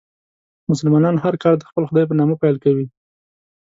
مسلمانان هر کار د خپل خدای په نامه پیل کوي.